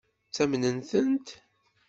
Ttamnen-tent?